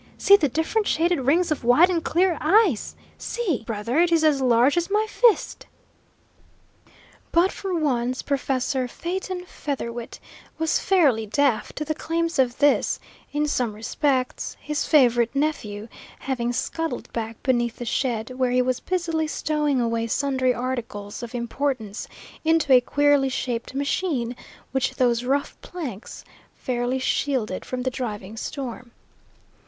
See the different shaded rings of white and clear ice. See brother, it is as large as my fist!" But for once Professor Phaeton Featherwit was fairly deaf to the claims of this, in some respects his favourite nephew, having scuttled back beneath the shed, where he was busily stowing away sundry articles of importance into a queerly shaped machine which those rough planks fairly shielded from the driving storm.